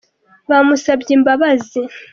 bamusabye imbabazi.